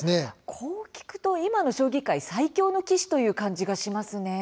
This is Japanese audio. こう聞くと今の将棋界最強の棋士という感じがしますね。